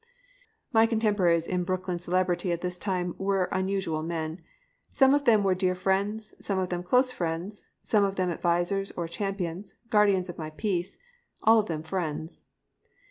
'" My contemporaries in Brooklyn celebrity at this time were unusual men. Some of them were dear friends, some of them close friends, some of them advisers or champions, guardians of my peace all of them friends.